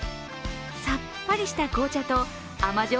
さっぱりした紅茶と甘じょ